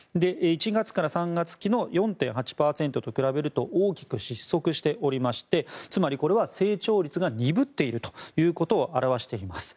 １月から３月期の４．８％と比べると大きく失速しておりましてつまりこれは成長率が鈍っているということを表しています。